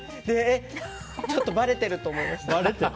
ちょっとばれてると思いました。